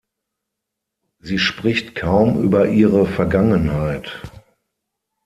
Sie spricht kaum über ihre Vergangenheit.